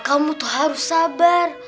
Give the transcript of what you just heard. kamu tuh harus sabar